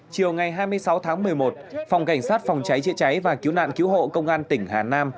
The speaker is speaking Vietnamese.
chiều ngày hai mươi sáu tháng một mươi một phòng cảnh sát phòng cháy chữa cháy và cứu nạn cứu hộ công an tỉnh hà nam